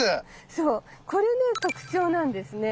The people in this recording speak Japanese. そうこれね特徴なんですね。